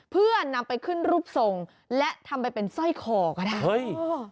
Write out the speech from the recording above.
เพื่อนำไปขึ้นรูปทรงและทำไปเป็นสร้อยคอก็ได้เฮ้ย